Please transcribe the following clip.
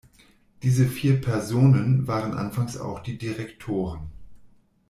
Diese vier Personen waren anfangs auch die Direktoren.